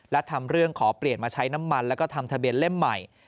และทำเรื่องขอเปลี่ยนมาใช้น้ำมันแล้วก็ทำทะเบียนเล่มใหม่